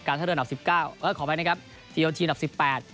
ท่าเรืออันดับสิบเก้าเออขออภัยนะครับทีโอทีอันดับสิบแปด